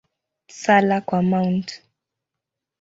Sala kwa Mt.